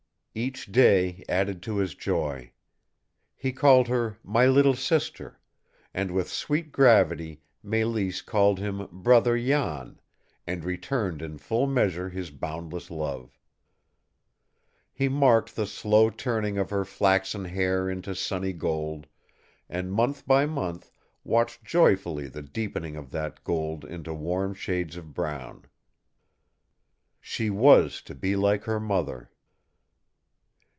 Each day added to his joy. He called her "my little sister," and with sweet gravity Mélisse called him "brother Jan," and returned in full measure his boundless love. He marked the slow turning of her flaxen hair into sunny gold, and month by month watched joyfully the deepening of that gold into warm shades of brown. She was to be like her mother!